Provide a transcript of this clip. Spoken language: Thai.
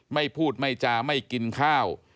ไม่พูดไม่จาไม่กินข้าว